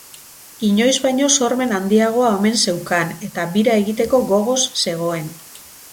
Inoiz baino sormen handiagoa omen zeukan eta bira egiteko gogoz zegoen.